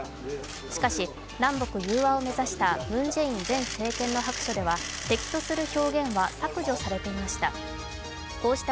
しかし南北融和を目指したムン・ジェイン前政権の白書では敵とする表現は削除されていました。